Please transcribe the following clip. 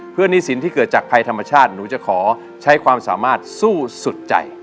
เพื่อหนี้สินที่เกิดจากภัยธรรมชาติหนูจะขอใช้ความสามารถสู้สุดใจ